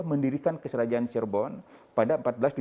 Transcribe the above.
mendirikan kerajaan serbon pada seribu empat ratus tujuh puluh sembilan